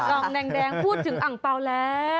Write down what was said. องแดงพูดถึงอังเปล่าแล้ว